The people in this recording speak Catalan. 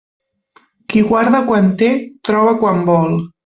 Qui guarda quan té, troba quan vol.